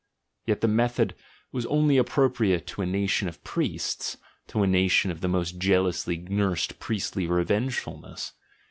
Yet the method was only appropriate to a nation of priests, to a nation of the most jealously nursed priestly revengefulness.